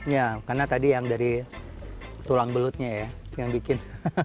ya karena tadi yang dari tulang belutnya ya yang bikin